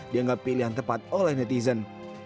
dianggap pilihan tepat oleh netizen